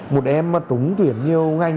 một em trúng tuyển nhiều ngành